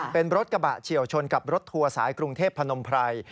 เป็นรถกระบะเฉียวชนกับรถทัวร์สายกรุงเทพพนมไพร